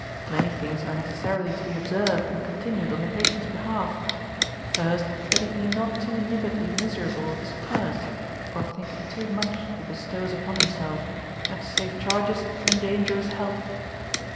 Many things are necessarily to be observed and continued on the patient's behalf: First that he be not too niggardly miserable of his purse, or think it too much he bestows upon himself, and to save charges endanger his health.